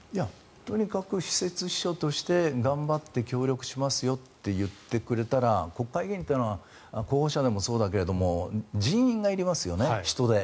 とにかく私設秘書として協力しますよと言ってくれたら国会議員というのは候補者でもそうだけど人員がいりますよね、人手。